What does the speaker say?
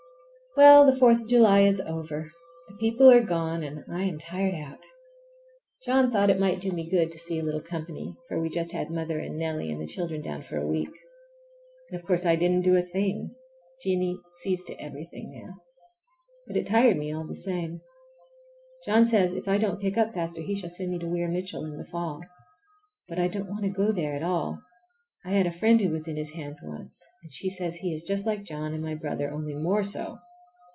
Well, the Fourth of July is over! The people are gone and I am tired out. John thought it might do me good to see a little company, so we just had mother and Nellie and the children down for a week. Of course I didn't do a thing. Jennie sees to everything now. But it tired me all the same. John says if I don't pick up faster he shall send me to Weir Mitchell in the fall. But I don't want to go there at all. I had a friend who was in his hands once, and she says he is just like John and my brother, only more so!